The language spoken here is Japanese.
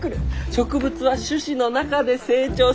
植物は種子の中で成長する。